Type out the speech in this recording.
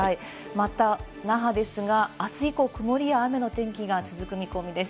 また那覇ですが、明日以降、曇りや雨の天気が続く見込みです。